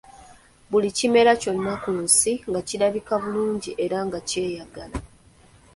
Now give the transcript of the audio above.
Buli kimera kyonna ku nsi nga kirabika bulungi era nga kyeyagala.